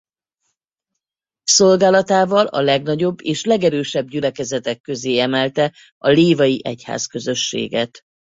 Szolgálatával a legnagyobb és legerősebb gyülekezetek közé emelte a lévai egyházközösséget.